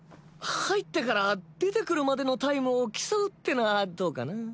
入ってから出てくるまでのタイムを競うってのはどうかな？